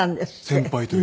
先輩という。